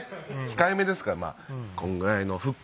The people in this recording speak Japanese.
控えめですからこんぐらいのフック。